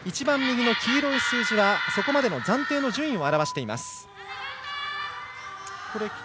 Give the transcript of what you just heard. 黄色い数字はそこまでの暫定の順位を表しています。